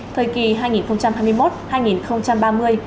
thời kỳ hai nghìn hai mươi một hai nghìn ba mươi